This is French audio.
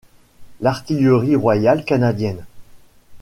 L'Artillerie royale canadienne.